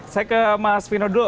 saya ke mas vino dulu